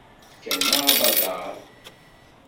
Fkan-aɣ abadaṛ.